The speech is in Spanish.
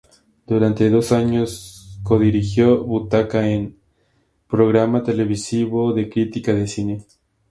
Durante dos años codirigió "Butaca N", programa televisivo de crítica de cine.